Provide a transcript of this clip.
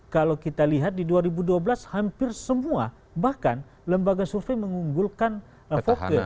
kalau kita lihat di dua ribu dua belas hampir semua bahkan lembaga survei mengunggulkan voke